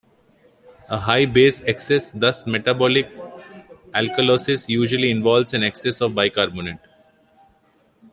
A high base excess, thus metabolic alkalosis, usually involves an excess of bicarbonate.